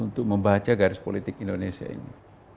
untuk membaca garis politik indonesia ini